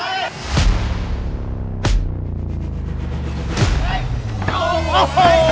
โอ้โหลุกขึ้นมา